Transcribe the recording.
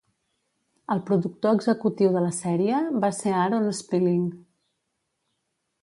El productor executiu de la sèrie va ser Aaron Spelling.